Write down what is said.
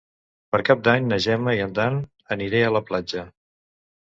Per Cap d'Any na Gemma i en Dan aniré a la platja.